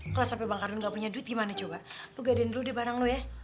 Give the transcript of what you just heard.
kalau sampe bangkardun ga punya duit gimana coba lo gadein dulu di barang lo ya